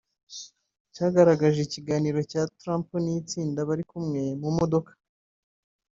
cyagaragaje ikiganiro cya Trump n’itsinda bari kumwe mu modoka